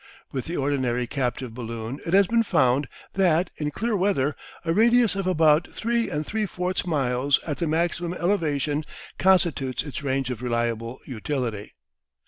With the ordinary captive balloon it has been found that, in clear weather, a radius of about 3 3/4 miles at the maximum elevation constitutes its range of reliable utility.